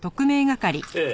ええ。